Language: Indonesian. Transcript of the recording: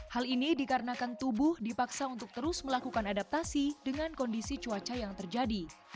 hal ini dikarenakan tubuh dipaksa untuk terus melakukan adaptasi dengan kondisi cuaca yang terjadi